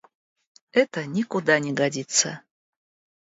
Это никуда не годится.